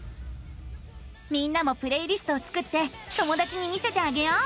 みんなもプレイリストを作って友だちに見せてあげよう。